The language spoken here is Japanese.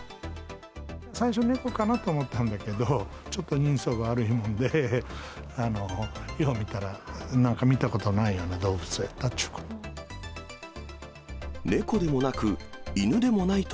最初、猫かなと思ったんだけど、ちょっと人相が悪いもんで、よう見たら、なんか見たことないような動物だったっちゅうこと。